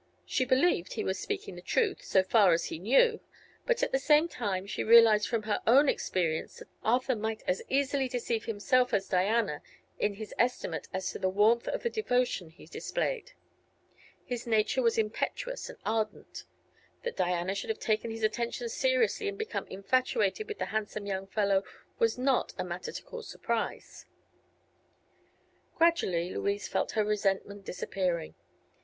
She believed he was speaking the truth, so far as he knew. But at the same time she realized from her own experience that Arthur might as easily deceive himself as Diana in his estimate as to the warmth of the devotion he displayed. His nature was impetuous and ardent. That Diana should have taken his attentions seriously and become infatuated with the handsome young fellow was not a matter to cause surprise. Gradually Louise felt her resentment disappearing.